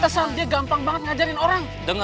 kesan dia gampang banget ngajarin orang